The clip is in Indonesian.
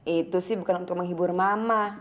itu sih bukan untuk menghibur mama